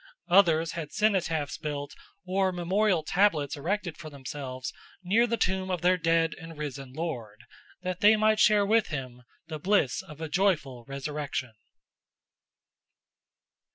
Others had cenotaphs built or memorial tablets erected for themselves near the tomb of their dead and risen Lord, that they might share with him the bliss of a joyful resurrection.